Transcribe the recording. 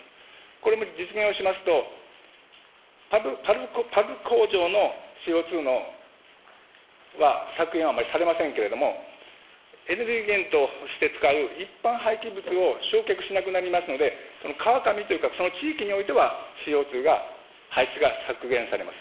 これも実現をしますと、パルプ工場のＣＯ２は削減はあんまりされませんけれども、エネルギー源として使う一般廃棄物を焼却しなくなりますので、川上というか、その地域においては、ＣＯ２が排出が削減されます。